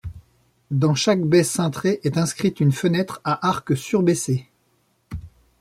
Dans chaque baie cintrée est inscrite une fenêtre à arc surbaissé.